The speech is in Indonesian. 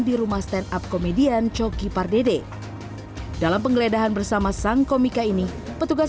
di rumah stand up komedian coki pardede dalam penggeledahan bersama sang komika ini petugas